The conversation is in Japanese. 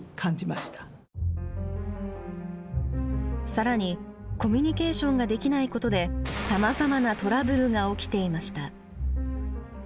更にコミュニケーションができないことでさまざまなトラブルが起きていました。